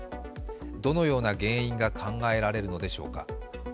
どのような原因が考えられるのでしょうか。